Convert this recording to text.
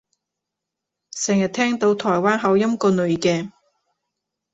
成日聽到台灣口音個女嘅